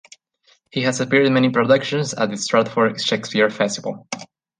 He has appeared in many productions at the Stratford Shakespeare Festival.